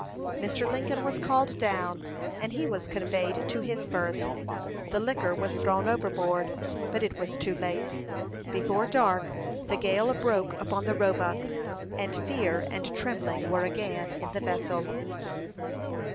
Mr. Lincoln was called down, and he was conveyed to his berth. The liquor was thrown overboard, but it was too late; before dark the gale broke upon the Roebuck, and fear and trembling were again in the vessel.